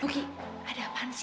ruki ada apaan sih